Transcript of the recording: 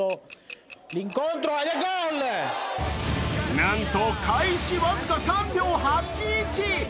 なんと開始僅か３秒８１。